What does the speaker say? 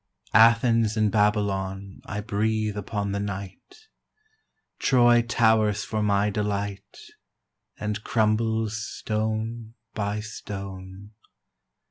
Athens and Babylon I breathe upon the night, Troy towers for my delight And crumbles stone by stone.